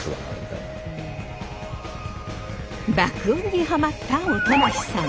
爆音にハマった音無さん。